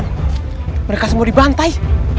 mereka semua dibantai